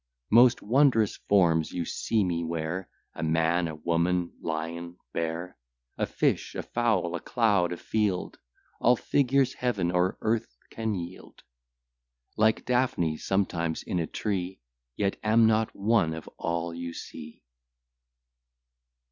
Most wondrous forms you see me wear, A man, a woman, lion, bear, A fish, a fowl, a cloud, a field, All figures Heaven or earth can yield; Like Daphne sometimes in a tree; Yet am not one of all you see.